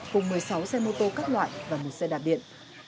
cùng một mươi sáu xe mô tô các loại và một xe đạp điện